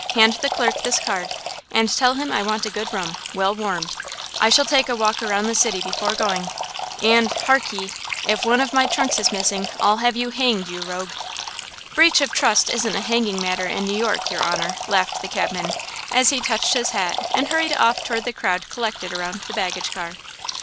Hand the clerk this card, and tell him I want a good room, well warmed. I shall take a walk around the city before going. And, hark ye! If one of my trunks is missing I'll have you hanged, you rogue!" "Breach of trust isn't a hanging matter in New York, your honor," laughed the cabman, as he touched his hat and hurried off toward the crowd collected around the baggage car.